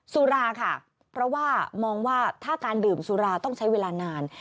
สุราค่ะเพราะว่ามองว่าถ้าการดื่มสุราต้องใช้เวลานาน